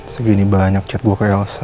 segini banyak chat gue ke elsa